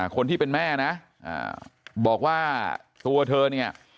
คนที่เป็นแม่นะบอกว่าตัวเธอเนี่ย